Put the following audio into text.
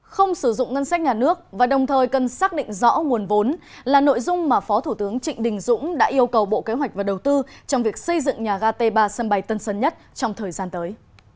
không sử dụng ngân sách nhà nước và đồng thời cần xác định rõ nguồn vốn là nội dung mà phó thủ tướng trịnh đình dũng đã yêu cầu bộ kế hoạch và đầu tư trong việc xây dựng nhà ga t ba sân bay tân sơn nhất trong thời gian tới